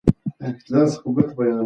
هغه زما په پټو سترګو او پټ درد نه پوهېږي.